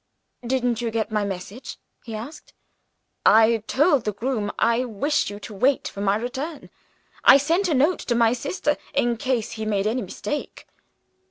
"Didn't you get my message?" he asked. "I told the groom I wished you to wait for my return. I sent a note to my sister, in case he made any mistake."